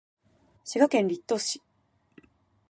滋賀県栗東市